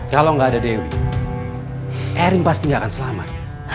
kalau gak ada dewi erin pasti gak akan selamat